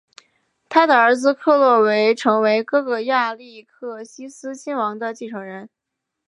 他的儿子克洛维成为哥哥亚历克西斯亲王的继承人。